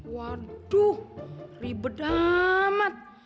waduh ribet amat